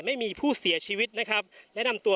พร้อมด้วยผลตำรวจเอกนรัฐสวิตนันอธิบดีกรมราชทัน